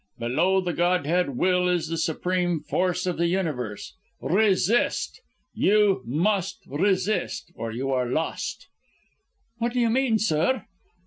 Below the Godhead, Will is the supreme force of the Universe. Resist! You must resist, or you are lost!" "What do you mean, sir?"